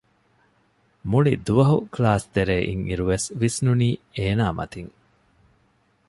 މުޅި ދުވަހު ކްލާސްތެރޭ އިން އިރު ވިސްނުނީ އޭނާ މަތިން